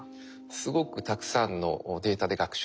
すごくたくさんのデータで学習してます。